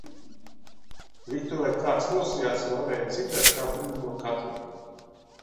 Virtuvē kāds rosījās un varēja dzirdēt kā burbuļo katli